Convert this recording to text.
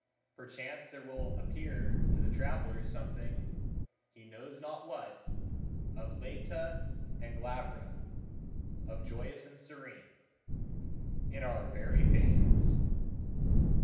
Perchance there will appear to the traveler something, he knows not what, of læta and glabra, of joyous and serene, in our very faces.